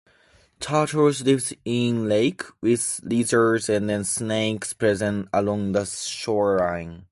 Turtles live in the lake, with lizards and snakes present along the shoreline.